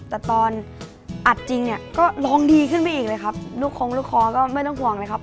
แต่ตอนอัดจริงเนี่ยก็ร้องดีขึ้นไปอีกเลยครับลูกคงลูกคอก็ไม่ต้องห่วงเลยครับ